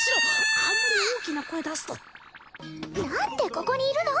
あんまり大きな声出すと何でここにいるの！？